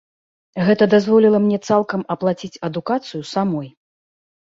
Гэта дазволіла мне цалкам аплаціць адукацыю самой.